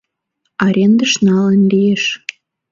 Арендыш налын лиеш.